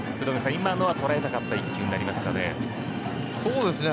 今のは捉えたかった１球になりますかね。